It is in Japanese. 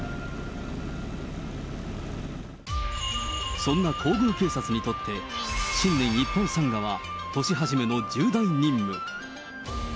そんな皇宮警察にとって、新年一般参賀は、年初めの重大任務。